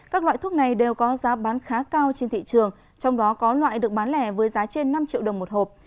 các loại thuốc này đều có giá bán khá cao trên thị trường trong đó có loại được bán lẻ với giá trên năm triệu đồng một hộp